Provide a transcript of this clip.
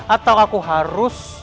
atau aku harus